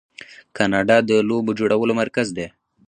کاناډا د لوبو جوړولو مرکز دی.